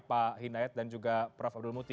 pak hindayat dan juga prof abdul muti